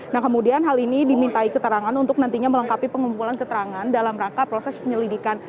nah kemudian hal ini dimintai keterangan untuk nantinya melengkapi pengumpulan keterangan dalam rangka proses penyelidikan